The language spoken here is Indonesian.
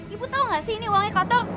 ibu tau gak sih ini uangnya kotor